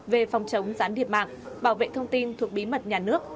về phòng chống gián điệp mạng bảo vệ thông tin thuộc bí mật nhà nước